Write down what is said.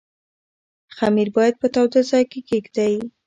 خمیر باید په تاوده ځای کې کېږدئ.